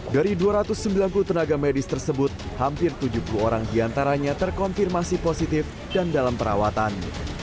dari dua ratus sembilan puluh tenaga medis tersebut hampir tujuh puluh orang diantaranya terkonfirmasi positif dan dalam perawatan